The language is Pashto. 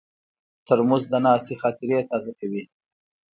ترموز د ناستې خاطرې تازه کوي.